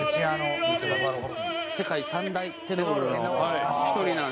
世界三大テノールの１人なんですけど。